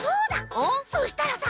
そしたらさ